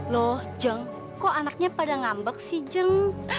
loh jem kok anaknya pada ngambek sih jem